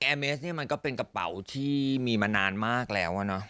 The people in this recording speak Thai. แอร์เมสเนี่ยมันก็เป็นกระเป๋าที่มีมานานมากแล้ว